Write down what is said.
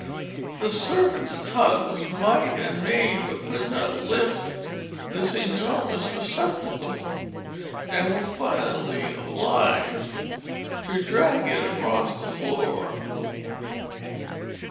The servants tugged with might and main, but could not lift this enormous receptacle, and were finally obliged to drag it across the floor.